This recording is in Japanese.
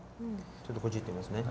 ちょっとこっちいってみますね。